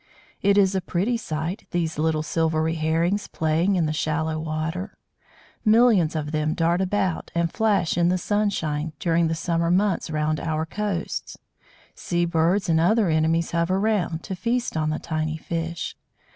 It is a pretty sight, these little silvery Herrings playing in the shallow water. Millions of them dart about and flash in the sunshine, during the summer months, round our coasts. Sea birds and other enemies hover round, to feast on the tiny fish.